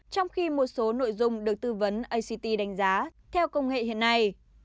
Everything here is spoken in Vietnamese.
trong khi một số nội dung được tư vấn act đánh giá theo công nghệ hiện nay